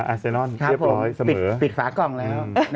เซนอนเรียบร้อยปิดฝากล่องแล้ว